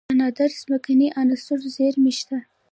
د نادره ځمکنۍ عناصرو زیرمې شته